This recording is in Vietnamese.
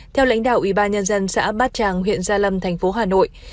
theo lãnh đạo ủy ban nhân dân xã bát tràng huyện gia lâm tp hà nội